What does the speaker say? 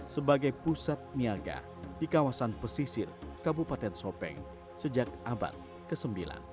sebagai pusat niaga di kawasan pesisir kabupaten sopeng sejak abad ke sembilan